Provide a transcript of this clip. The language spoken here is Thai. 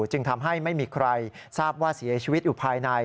จึงทำให้ไม่มีใครทราบว่าเสียชีวิตอยู่ภายใน